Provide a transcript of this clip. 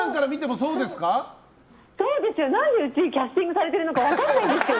そうですよ。何でうちがキャスティングされてるのか分かんないんですけど。